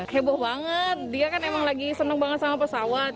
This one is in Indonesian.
heboh banget dia kan emang lagi seneng banget sama pesawat